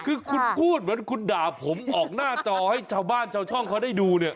คือคุณพูดเหมือนคุณด่าผมออกหน้าจอให้เจ้าบ้านเจ้าช่องเค้าได้ดู